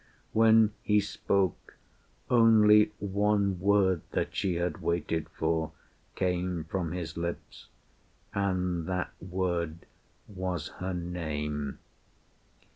When he spoke, Only one word that she had waited for Came from his lips, and that word was her name.